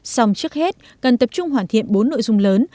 xong trước hết cần tập trung hoàn thiện bốn nội dung lớn